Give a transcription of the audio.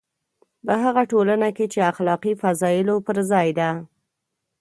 په هغه ټولنه کې چې اخلاقي فضایلو پر ځای ده.